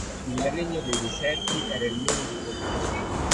Il Regno dei deserti era il meno popoloso.